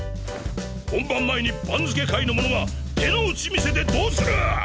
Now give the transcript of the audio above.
本番前に番付下位の者が手の内見せてどうする！？